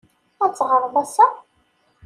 Ad teɣṛeḍ ass-a?